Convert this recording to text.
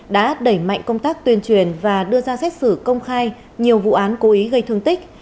đã đẩy mạnh công tác tuyên truyền và đưa ra xét xử công khai nhiều vụ án cố ý gây thương tích